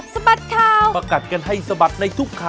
สวัสดีค่ะ